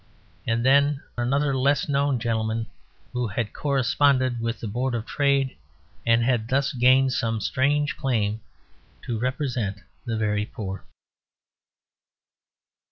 and then another less known gentleman who had "corresponded" with the Board of Trade, and had thus gained some strange claim to represent the very poor.